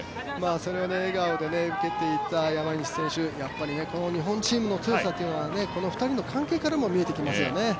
笑顔で受けていた山西選手、やっぱり、日本チームの強さというのはこの２人の関係からも見えてきますね。